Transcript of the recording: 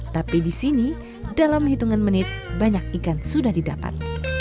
tapi di sini dalam hitungan menit banyak ikan sudah didapat